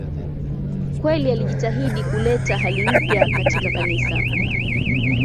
Kweli alijitahidi kuleta hali mpya katika Kanisa.